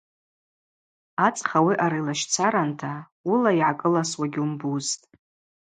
Ацӏх ауи аъара йлащцаранта – уыла йгӏакӏыласуа гьуымбузтӏ.